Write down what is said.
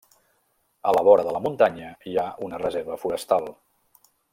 A la vora de la muntanya hi ha una reserva forestal.